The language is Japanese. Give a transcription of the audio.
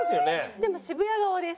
でも渋谷側です。